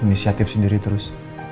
inisiatif sendiri terus